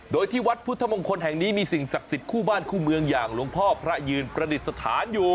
โดยที่วัดพุทธมงคลแห่งนี้มีสิ่งศักดิ์สิทธิ์คู่บ้านคู่เมืองอย่างหลวงพ่อพระยืนประดิษฐานอยู่